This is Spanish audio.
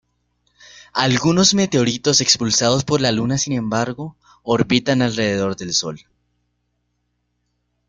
Algunos meteoritos expulsados por la Luna sin embargo, orbitan alrededor del Sol.